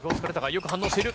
よく反応している。